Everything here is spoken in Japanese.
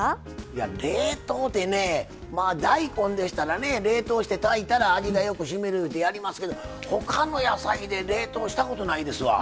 いや冷凍ってねまあ大根でしたらね冷凍して炊いたら味がよくしみるってやりますけどほかの野菜で冷凍したことないですわ。